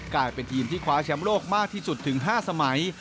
กลายเป็นทีมที่คว้าแชมป์โลกมากที่สุดถึง๕สมัย